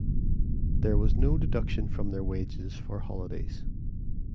There was no deduction from their wages for holidays.